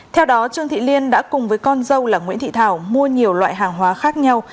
theo đó trương thị liên đã cùng với con dâu là nguyễn thị thảo mua nhiều loại hàng hóa khác nhau